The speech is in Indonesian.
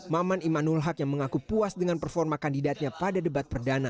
maman imanul haq yang mengaku puas dengan performa kandidatnya pada debat perdana